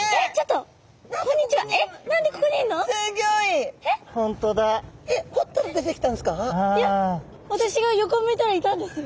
いや私が横向いたらいたんですよ。